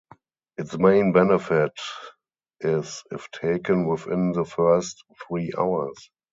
Its main benefit is if taken within the first three hours.